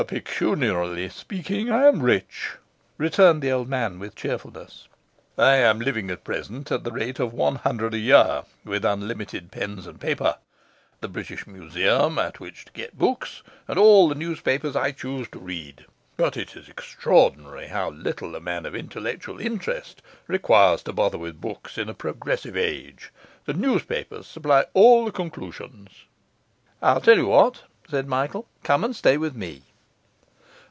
'Pecuniarily speaking, I am rich,' returned the old man with cheerfulness. 'I am living at present at the rate of one hundred a year, with unlimited pens and paper; the British Museum at which to get books; and all the newspapers I choose to read. But it's extraordinary how little a man of intellectual interest requires to bother with books in a progressive age. The newspapers supply all the conclusions.' 'I'll tell you what,' said Michael, 'come and stay with me.